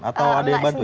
atau ada yang bantuin